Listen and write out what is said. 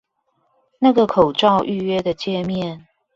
那個口罩預約的介面